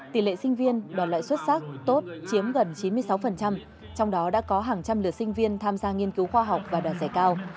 tỷ lệ sinh viên đoàn lợi xuất sắc tốt chiếm gần chín mươi sáu trong đó đã có hàng trăm lượt sinh viên tham gia nghiên cứu khoa học và đoạt giải cao